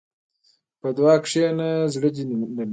په دعا کښېنه، زړه دې نرمېږي.